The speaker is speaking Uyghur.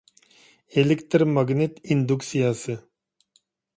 ئېلېكتىر ماگنىت ئىندۇكسىيەسى